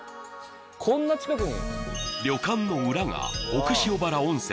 こんな近くに。